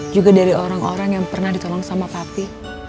juga dari orang orang yang pernah ditolong sama pati